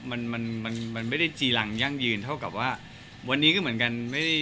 มันมันไม่ได้จีรังยั่งยืนเท่ากับว่าวันนี้ก็เหมือนกันไม่ได้